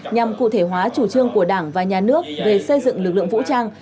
nhằm cụ thể hóa chủ trương của đảng và nhà nước về xây dựng lực lượng vũ trang